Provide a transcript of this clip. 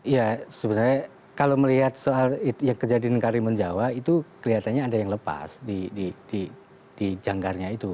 ya sebenarnya kalau melihat soal yang kejadian karimun jawa itu kelihatannya ada yang lepas di janggarnya itu